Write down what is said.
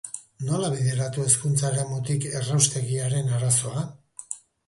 Nola bideratu hezkuntza eremutik erraustegiaren arazoa?